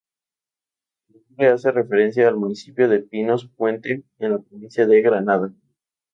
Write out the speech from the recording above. Su nombre hace referencia al municipio de Pinos Puente, en la provincia de Granada.